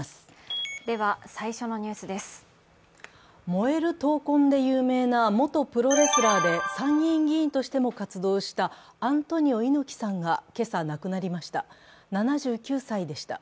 燃える闘魂で有名な元プロレスラーで参議院議員としても活動したアントニオ猪木さんが今朝、亡くなりました。